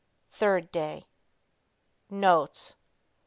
3rd Day. Notes.